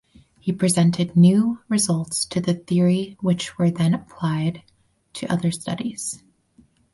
He presented new results to the theory which were then applied to other studies.